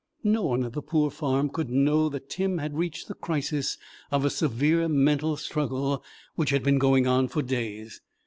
No one at the poor farm could know that Tim had reached the crisis of a severe mental struggle which had been going on for days.